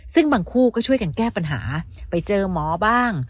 ซึ่งบางคู่ก็ช่วยกันแก้ปัญหาไปเจอหมอบ้าง